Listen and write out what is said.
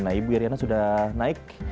nah ibu iryana sudah naik